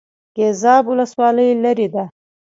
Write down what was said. ګیزاب ولسوالۍ لیرې ده؟